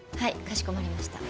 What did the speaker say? かしこまりました。